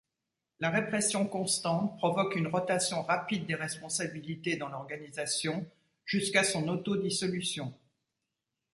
La répression constante provoque une rotation rapide des responsabilités dans l'organisation, jusqu'à son autodissolution.